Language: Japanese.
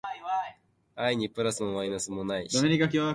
愛にプラスもマイナスもなし